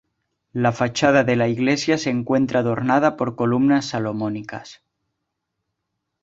La fachada de la iglesia se encuentra adornada por columnas salomónicas.